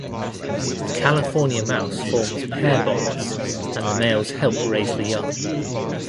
The California mouse forms pair bonds and the males help raise the young.